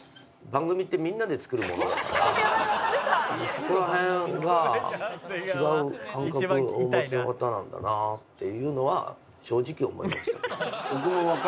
そこら辺が違う感覚をお持ちの方なんだなっていうのは正直思いましたけど。